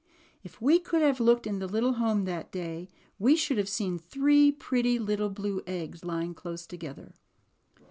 If we could have looked in the little home that day, we should have seen three pretty little blue eggs, lying close together.